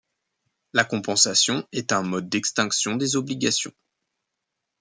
La compensation est un mode d'extinction des obligations.